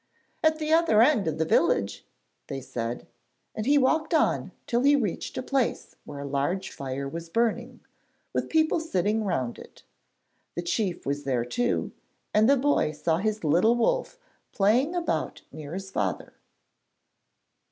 'At the other end of the village,' they said, and he walked on till he reached a place where a large fire was burning, with people sitting round it. The chief was there too, and the boy saw his little wolf playing about near his father.